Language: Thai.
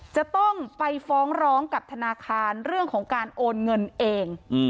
จะต้องไปฟ้องร้องกับธนาคารเรื่องของการโอนเงินเอง